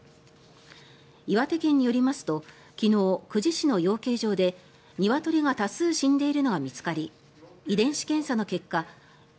岩手県によりますと昨日、久慈市の養鶏場でニワトリが多数死んでいるのが見つかり遺伝子検査の結果